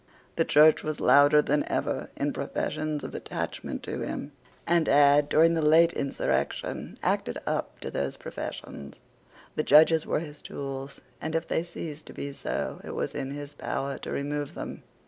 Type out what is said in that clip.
The Church was louder than ever in professions of attachment to him, and had, during the late insurrection, acted up to those professions. The Judges were his tools; and if they ceased to be so, it was in his power to remove them.